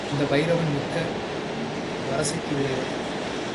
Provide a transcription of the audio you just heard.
இந்த பைரவன் மிக்க வரசித்தி உடையவராம்.